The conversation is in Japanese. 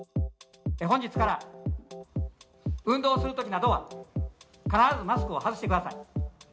本日から運動するときなどは、必ずマスクを外してください。